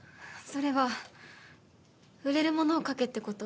それは売れるものを書けって事？